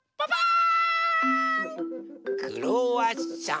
クロワッサン。